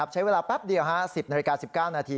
ใช้เวลาแป๊บเดียว๑๐นาฬิกา๑๙นาที